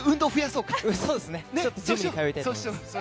ジムに通いたいと思います。